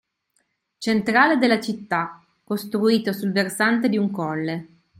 centrale della città, costruito sul versante di un colle.